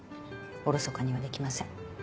おろそかにはできません。